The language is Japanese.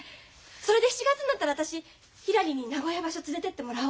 それで７月になったら私ひらりに名古屋場所連れてってもらお。